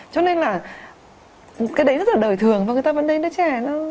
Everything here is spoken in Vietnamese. cho nên là cái đấy rất là đời thường và người ta vẫn đến đứa trẻ